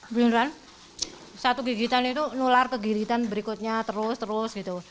beneran satu gigitan itu nular ke gigitan berikutnya terus terus gitu